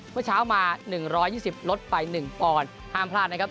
เมื่อเช้ามา๑๒๐ลดไป๑ปอนด์ห้ามพลาดนะครับ